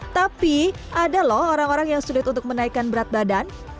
tapi ada loh orang orang yang sulit untuk menaikkan berat badan